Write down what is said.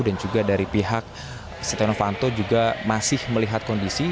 dan juga dari pihak seteh novanto juga masih melihat kondisi